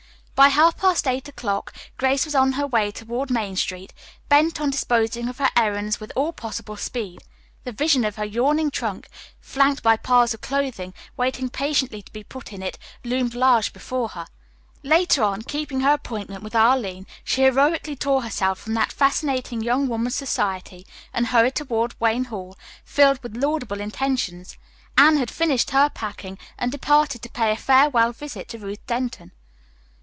By half past eight o'clock Grace was on her way toward Main Street, bent on disposing of her errands with all possible speed. The vision of her yawning trunk, flanked by piles of clothing waiting patiently to be put in it, loomed large before her. Later on, keeping her appointment with Arline, she heroically tore herself from that fascinating young woman's society and hurried toward Wayne Hall, filled with laudable intentions. Anne had finished her packing and departed to pay a farewell visit to Ruth Denton.